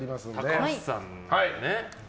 高橋さんね。